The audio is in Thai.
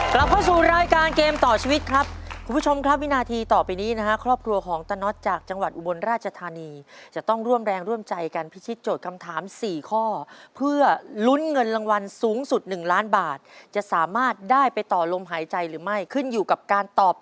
กลับเข้าสู่รายการเกมต่อชีวิตครับคุณผู้ชมครับวินาทีต่อไปนี้นะฮะครอบครัวของตะน็อตจากจังหวัดอุบลราชธานีจะต้องร่วมแรงร่วมใจกันพิชิตโจทย์คำถามสี่ข้อเพื่อลุ้นเงินรางวัลสูงสุด๑ล้านบาทจะสามารถได้ไปต่อลมหายใจหรือไม่ขึ้นอยู่กับการตอบ